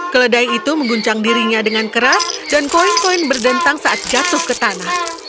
keledai itu mengguncang dirinya dengan keras dan koin koin berdentang saat jatuh ke tanah